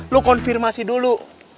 lo konfirmasi dulu